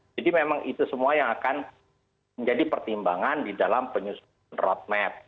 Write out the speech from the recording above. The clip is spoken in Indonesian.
jadi memang itu semua yang akan menjadi pertimbangan di dalam penyusunan roadmap